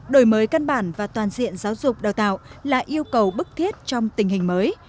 đổi mới căn bản và toàn diện giáo dục đào tạo là yêu cầu bức thiết trong tình hình mới